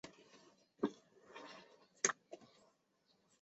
祖籍宁波府慈溪县慈城镇。